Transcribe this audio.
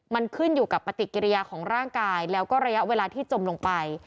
มันขึ้นอยู่กับปฏิกิริยาของร่างกายแล้วก็ระยะเวลาที่จมลงไป